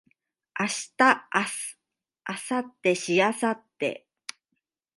明日明後日しあさって